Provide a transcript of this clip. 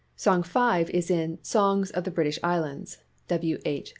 Song 5 is in " Songs of the British Islands " (VV. H.